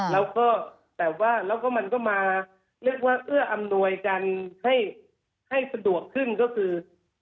แล้วก็มันก็มาเรียกว่าเอื้ออำนวยการให้สะดวกขึ้นก็คือ